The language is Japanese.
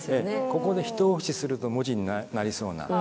ここでひと押しすると文字になりそうな。